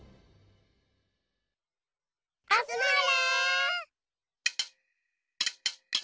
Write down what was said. あつまれ！